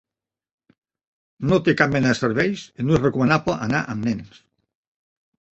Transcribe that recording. No té cap mena de serveis i no és recomanable anar amb nens.